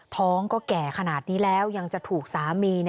ท้องก็แก่ขนาดนี้แล้วยังจะถูกสามี